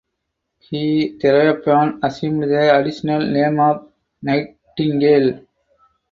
He thereupon assumed the additional name of Nightingale.